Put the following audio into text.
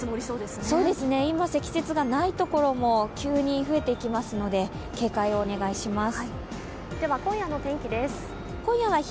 今、積雪がないところも急に増えてきますので警戒をお願いします。